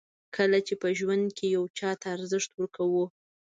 کله چې په ژوند کې یو چاته ډېر ارزښت ورکوو.